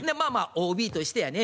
ＯＢとしてやね